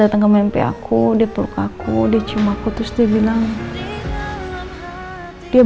tidur di kamar sana